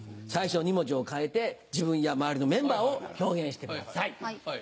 最初の２文字を変えて自分や周りのメンバーを表現してください。